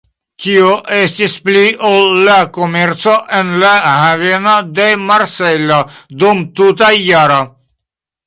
Tio estis pli ol la komerco en la haveno de Marsejlo dum tuta jaro.